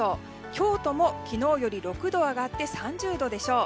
京都も昨日より６度上がって３０度でしょう。